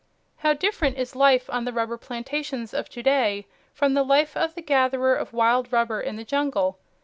How different is life on the rubber plantations of to day from the life of the gatherer of wild rubber in the jungle.